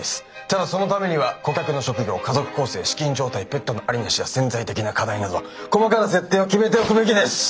ただそのためには顧客の職業家族構成資金状態ペットの有り無しや潜在的な課題など細かな設定を決めておくべきです！